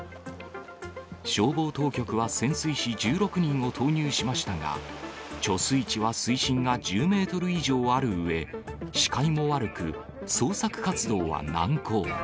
消防当局は、潜水士１６人を投入しましたが、貯水池は水深が１０メートル以上あるうえ、視界も悪く、捜索活動は難航。